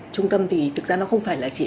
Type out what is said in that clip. trung tâm thì thực ra nó không phải là chỉ